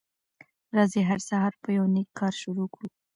راځی هر سهار په یو نیک کار شروع کړو